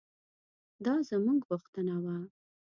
دا زموږ غوښتنه وه.